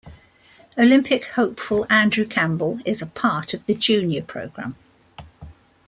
Olympic hopeful Andrew Campbell is a part of the Junior program.